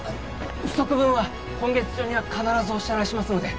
不足分は今月中には必ずお支払いしますので。